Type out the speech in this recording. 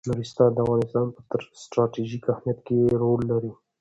نورستان د افغانستان په ستراتیژیک اهمیت کې رول لري.